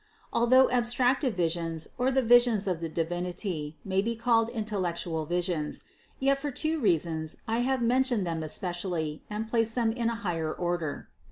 Although abstractive visions or the visions of the Divinity may be called intellectual visions, yet for two reasons I have mentioned them especially and placed them in a high er order.